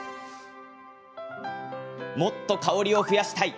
もっと香りを増やしたい。